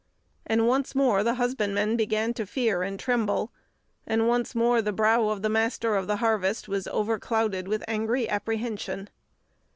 And once more the husbandmen began to fear and tremble, and once more the brow of the Master of the Harvest was over clouded with angry apprehension.